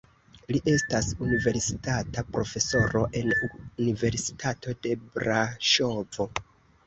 Li estas universitata profesoro en Universitato de Braŝovo.